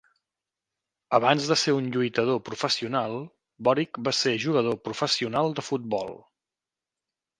Abans de ser un lluitador professional, Boric va ser jugador professional de futbol.